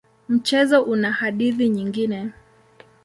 Mchezo una hadithi nyingine.